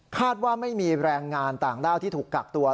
ว่าไม่มีแรงงานต่างด้าวที่ถูกกักตัว